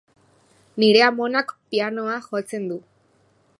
Nire amonak pianoa jotzen du